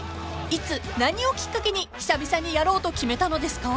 ［いつ何をきっかけに久々にやろうと決めたのですか？］